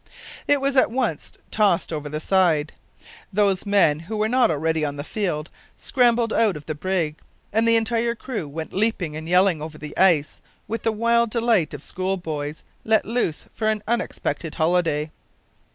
It was at once tossed over the side; those men who were not already on the field scrambled out of the brig, and the entire crew went leaping and yelling over the ice with the wild delight of schoolboys let loose for an unexpected holiday.